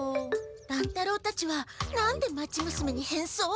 乱太郎たちは何で町娘に変装？